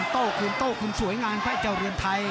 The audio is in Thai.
โต้คืนโต้คืนสวยงามแค่เจ้าเรือนไทย